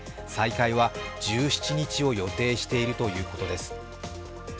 再開は１７日を予定しているということです。